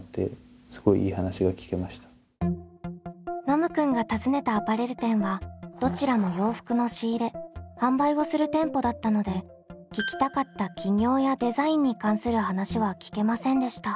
ノムくんが訪ねたアパレル店はどちらも洋服の仕入れ販売をする店舗だったので聞きたかった起業やデザインに関する話は聞けませんでした。